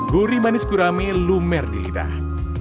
gurih manis gurame lumer di lidah